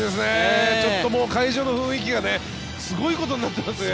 会場の雰囲気がすごいことになってますね。